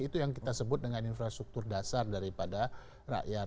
itu yang kita sebut dengan infrastruktur dasar daripada rakyat